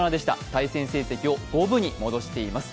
対戦成績を５分に戻しています。